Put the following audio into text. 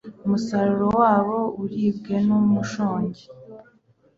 umusaruro wabo uribwe n'umushonji